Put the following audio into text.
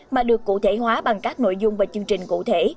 mà được cụ thể hóa bằng các nội dung và chương trình cụ thể